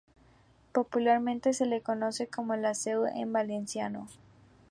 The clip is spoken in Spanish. Popularmente se la conoce como "la Seu" en valenciano.